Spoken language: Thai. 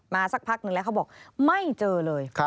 สักพักหนึ่งแล้วเขาบอกไม่เจอเลย